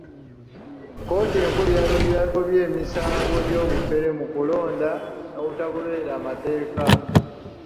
Kkooti enkulu yagobye emisango gy'obufere mu kulonda n'obutagoberera mateeka.